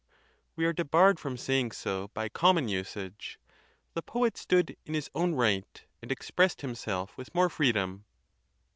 We are debarred from saying so by common usage. The poet stood in his own right, and expressed himself with more freedom.